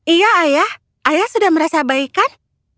iya ayah ayah sudah merasa baik kan